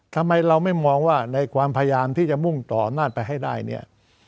ทำไมเราไม่มองว่าในความพยายามที่จะมุ่งต่ออำนาจไปให้ได้เนี่ย